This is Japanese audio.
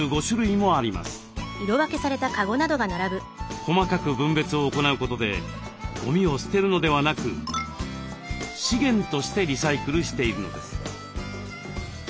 細かく分別を行うことでゴミを捨てるのではなく「資源」としてリサイクルしているのです。